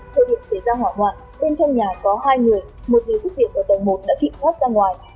theo việc xảy ra hỏa ngoạn bên trong nhà có hai người một người xuất hiện ở tầng một đã khịp thoát ra ngoài